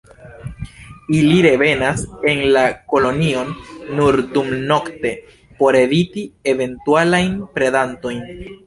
Ili revenas en la kolonion nur dumnokte por eviti eventualajn predantojn.